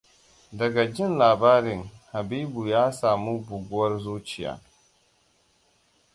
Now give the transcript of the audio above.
Daga jin labarin, Habibu ya samu buguwar zuciya.